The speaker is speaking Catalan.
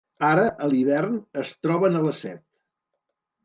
Ara a l’hivern es troben a les set.